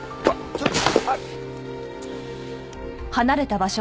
ちょっと！